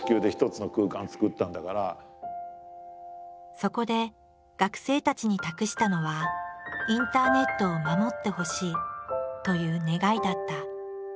そこで学生たちに託したのはインターネットを守ってほしいという願いだった。